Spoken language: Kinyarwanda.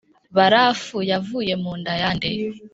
barafu yavuye mu nda ya nde’